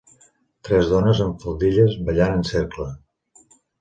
Tres dones amb faldilles, ballant en cercle.